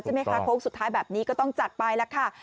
ใช่ไหมคะโค้กสุดท้ายแบบนี้ก็ต้องจัดไปแล้วค่ะ